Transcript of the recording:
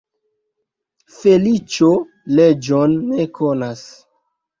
Feliĉo leĝon ne konas.